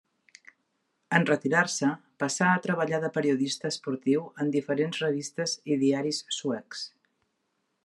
En retirar-se passà a treballar de periodista esportiu en diferents revistes i diaris suecs.